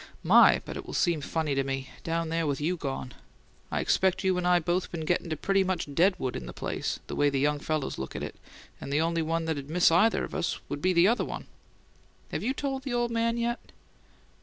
"My, but it will seem funny to me down there with you gone! I expect you and I both been gettin' to be pretty much dead wood in the place, the way the young fellows look at it, and the only one that'd miss either of us would be the other one! Have you told the ole man yet?"